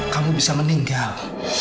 kamu bisa meninggal